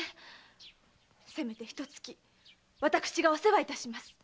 せめてひと月私がお世話いたします。